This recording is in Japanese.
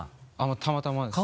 たまたまです。